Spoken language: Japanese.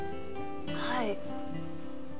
はい。